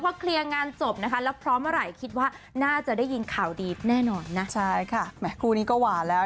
ไม่เคยไม่เคยปฏิเสธนะ